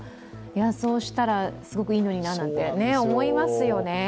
そうしたら、すごくいいのにななんて思いますよね。